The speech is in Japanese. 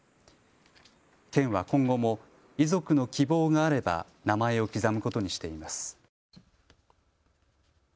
県は今後も遺族の希望があれば名前を刻むことにしています。